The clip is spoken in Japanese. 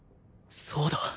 そうだ！